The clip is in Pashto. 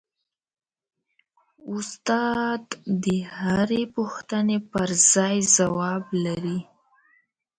استاد د هرې پوښتنې پرځای ځواب لري.